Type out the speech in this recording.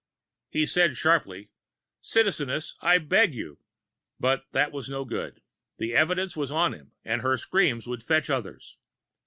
He said sharply: "Citizeness, I beg you " But that was no good. The evidence was on him and her screams would fetch others.